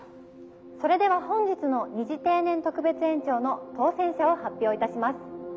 それでは本日の二次定年特別延長の当選者を発表いたします。